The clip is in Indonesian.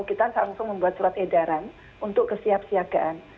kita langsung membuat surat edaran untuk kesiap siagaan